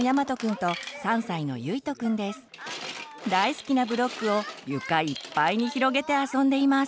大好きなブロックを床いっぱいに広げて遊んでいます。